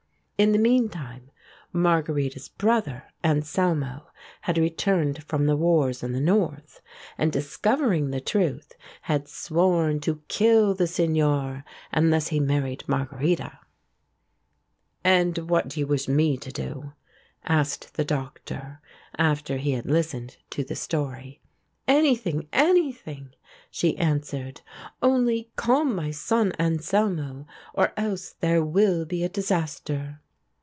In the meantime Margherita's brother Anselmo had returned from the wars in the North, and, discovering the truth, had sworn to kill the Signore unless he married Margherita. "And what do you wish me to do?" asked the Doctor, after he had listened to the story. "Anything, anything," she answered, "only calm my son Anselmo or else there will be a disaster."